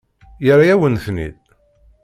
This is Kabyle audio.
Yerra-yawen-tent-id?